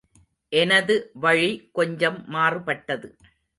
எனது வழி கொஞ்சம் மாறுபட்டது.